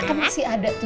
kan masih ada tuh